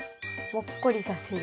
もっこりさせる？